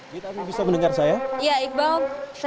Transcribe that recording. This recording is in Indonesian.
gitami bisa mendengar saya